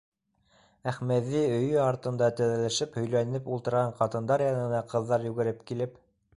Әхмәҙи өйө артында теҙелешеп һөйләнеп ултырған ҡатындар янына ҡыҙҙар йүгереп килеп: